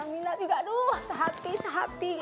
minat juga aduh sehati sehati